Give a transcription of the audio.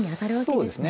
そうですね。